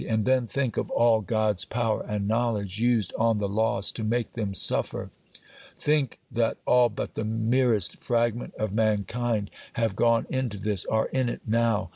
and then think of all God's power and knowledge used on the lost to make them suffer! think that all but the merest fragment of mankind have gone into this, are in it now!